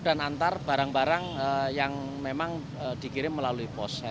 dan antar barang barang yang memang dikirim melalui pos